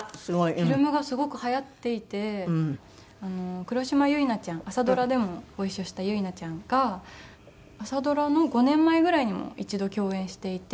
フィルムがすごく流行っていて黒島結菜ちゃん朝ドラでもご一緒した結菜ちゃんが朝ドラの５年前ぐらいにも一度共演していて。